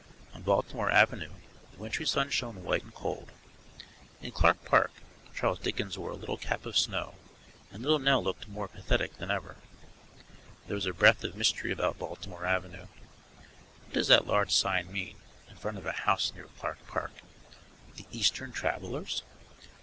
On Baltimore Avenue the wintry sun shone white and cold; in Clark Park, Charles Dickens wore a little cap of snow, and Little Nell looked more pathetic than ever. There is a breath of mystery about Baltimore Avenue. What does that large sign mean, in front of a house near Clark Park THE EASTERN TRAVELLERS?